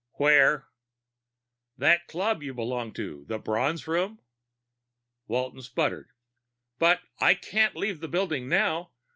"Where?" "That club you belong to. The Bronze Room." Walton sputtered. "But I can't leave the building now!